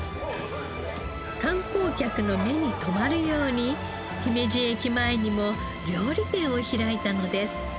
観光客の目に留まるように姫路駅前にも料理店を開いたのです。